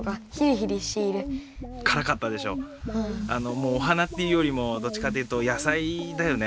もうお花っていうよりもどっちかっていうと野菜だよね。